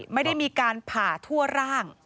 ไม่ได้มีการผ่าทั่วร่าง